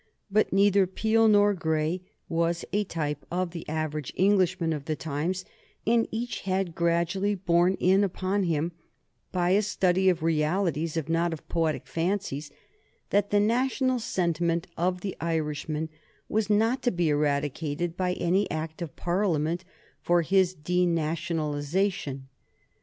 But neither Peel nor Grey was a type of the average Englishman of the times, and each had gradually borne in upon him, by a study of realities if not of poetic fancies, that the national sentiment of the Irishman was not to be eradicated by any Act of Parliament for his denationalization.